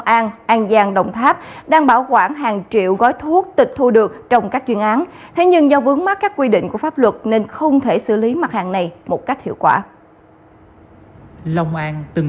an ninh hãy đăng ký kênh để nhận thông tin nhất